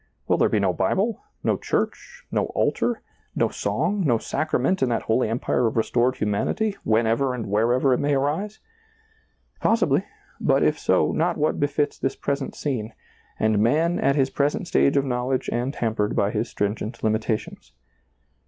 Will there be no Bible, no church, no altar, no song, no sacra ment in that holy empire of restored humanity, whenever and wherever it may arise ?" Possibly ; but if so, not what befits this present scene, and man at his present stage of knowledge and hampered by his stringent limitations.